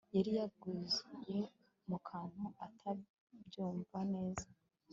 yari yaguye mukantu atabyumbva neza